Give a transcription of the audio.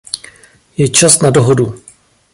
Je čas na dohodu.